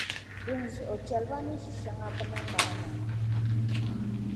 Dinzuɣu, chɛli ba ni ʒiri shɛŋa bɛ ni ŋmari maa.